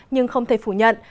nhưng không thể phủ nhận